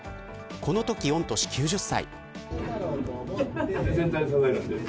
このとき御年９０歳。